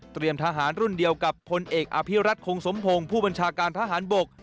ทหารรุ่นเดียวกับพลเอกอภิรัตคงสมพงศ์ผู้บัญชาการทหารบก